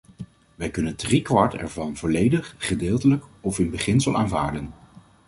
Wij kunnen driekwart ervan volledig, gedeeltelijk, of in beginsel aanvaarden.